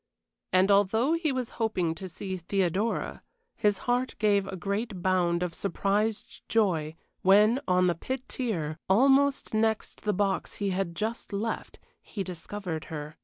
And although he was hoping to see Theodora, his heart gave a great bound of surprised joy when, on the pit tier, almost next the box he had just left, he discovered her.